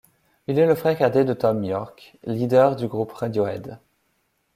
Il est le frère cadet de Thom Yorke, leader du groupe Radiohead.